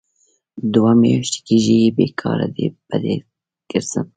دوه میاشې کېږي بې کاره ډۍ په ډۍ کرځم.